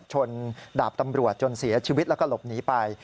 ดาบตำรวจจนเสียชีวิตแล้วก็หลบหนีไป